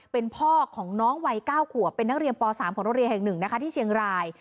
เป็นพ่อของน้องวัย๙ขวบเป็นนักเรียนป๓ของโรงเรียนแห่งหนึ่งนะคะที่เชียงราย